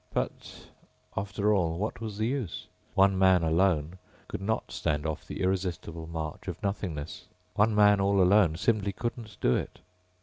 But, after all, what was the use? One man, alone, could not stand off the irresistible march of nothingness. One man, all alone, simply couldn't do it.